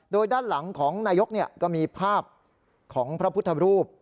โดยด้านหลังของนายกก็มีภาพของพระพุทธรูป